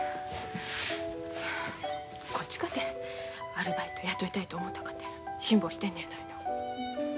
こっちかてアルバイト雇いたいと思たかて辛抱してるのやないの。